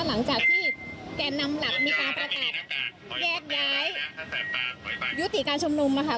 หลังจากที่แก่นำหลักมีการประกาศแยกย้ายยุติการชุมนุมนะคะ